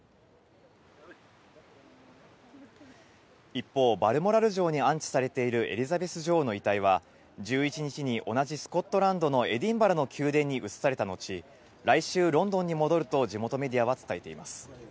一方、バルモラル城に安置されているエリザベス女王の遺体は、１１日に、同じスコットランドのエディンバラの宮殿に移された後、来週、ロンドンに戻ると、地元メディアは伝えています。